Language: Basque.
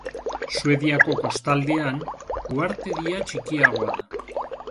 Suediako kostaldean uhartedia txikiagoa da.